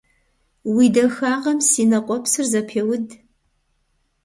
Уи дахагъэм си нэ къуэпсыр зэпеуд.